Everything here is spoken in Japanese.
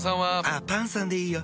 あっパンさんでいいよ。